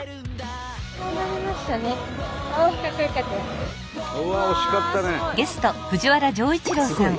うわっ惜しかったね。